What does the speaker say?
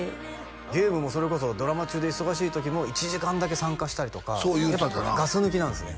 ゲームもそれこそドラマ中で忙しい時も１時間だけ参加したりとかそう言うてたなガス抜きなんですね